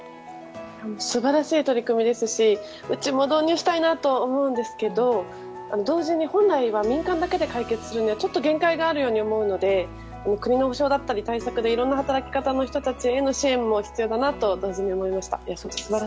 素晴らしい取り組みですしうちも導入したいなと思うんですけど同時に、本来は民間だけで解決するにはちょっと限界があるように思うので国の補償だったり、対策でいろんな働き方の人たちへの支援も必要だと同時に思いました。